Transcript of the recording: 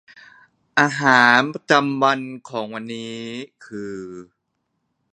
อาหารประจำวัน